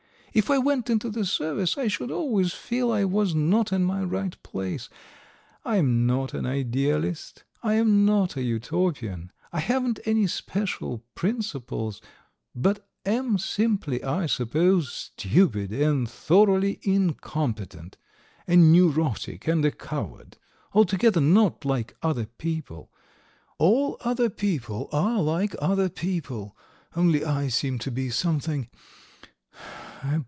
If I went into the Service I should always feel I was not in my right place. I am not an idealist; I am not a Utopian; I haven't any special principles; but am simply, I suppose, stupid and thoroughly incompetent, a neurotic and a coward. Altogether not like other people. All other people are like other people, only I seem to be something